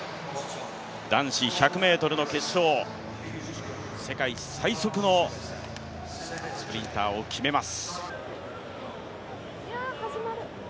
男子１００ｍの決勝、世界最速のスプリンターを決めます。